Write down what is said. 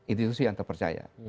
institusi yang terpercaya